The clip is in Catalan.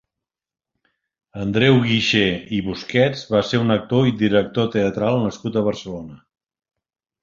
Andreu Guixer i Busquets va ser un actor i director teatral nascut a Barcelona.